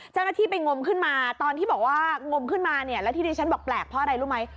เจ้าหน้าที่ไปงมขึ้นมาตอนที่บอกว่างมขึ้นมาเนี่ยแล้วที่ดิฉันบอกแปลกเพราะอะไรรู้ไหม